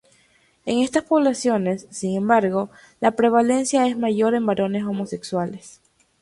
En estas poblaciones, sin embargo, la prevalencia es mayor en varones homosexuales.